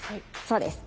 そうです。